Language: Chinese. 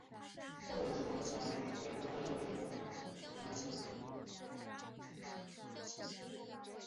其幼子梅葆玖是当今梅派的著名传人。